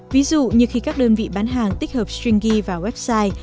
ví dụ như khi các đơn vị bán hàng tích hợp stringy vào website